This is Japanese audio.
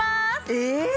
えっ！？